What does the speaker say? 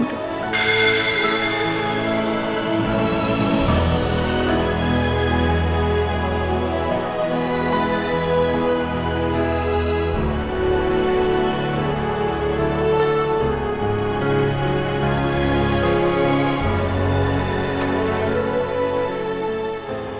nindy itu masih hidup